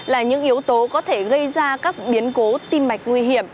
là những yếu tố có thể gây ra các biến cố tim mạch nguy hiểm